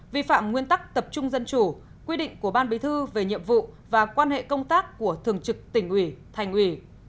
vi phạm nguyên tắc tập trung dân chủ quy định của ban bí thư về nhiệm vụ và quan hệ công tác của thường trực tỉnh ủy thành ủy